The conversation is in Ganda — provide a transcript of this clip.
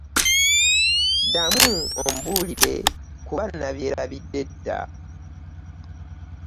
Ddamu ombuulire kuba nabyerabidde dda.